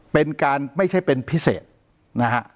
เป็นการไม่ใช่เป็นพิเศษนะฮะ